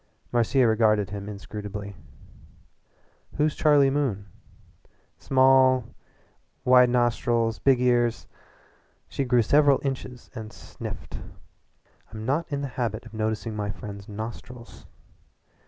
Marcia regarded him inscrutably. "Who's Charlie Moon?" "Small wide nostrils big ears." She grew several inches and sniffed. "I'm not in the habit of noticing my friends' nostrils.